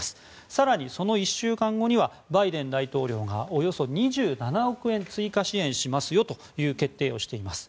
更に、その１週間後にはバイデン大統領がおよそ２７億円追加支援しますよという決定をしています。